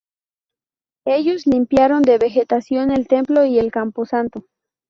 Ellos limpiaron de vegetación el templo y el camposanto.